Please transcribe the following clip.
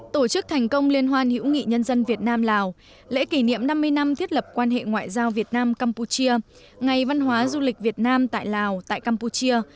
tổ chức thành công liên hoan hiễu nghị nhân dân việt nam lào lễ kỷ niệm năm mươi năm thiết lập quan hệ ngoại giao việt nam campuchia ngày văn hóa du lịch việt nam tại lào tại campuchia